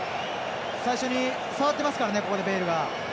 最初に触ってますからねベイルが。